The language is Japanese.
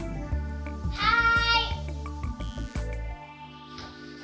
はい。